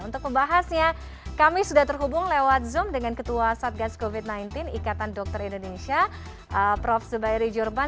untuk membahasnya kami sudah terhubung lewat zoom dengan ketua satgas covid sembilan belas ikatan dokter indonesia prof zubairi jurban